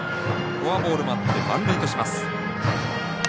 フォアボールもあって満塁とします。